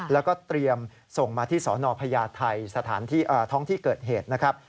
แล้วก็เตรียมส่งมาที่สนพญาไทยสถานท้องที่เกิดเหตุนะครับ